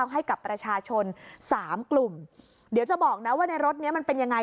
ให้กับประชาชนสามกลุ่มเดี๋ยวจะบอกนะว่าในรถเนี้ยมันเป็นยังไง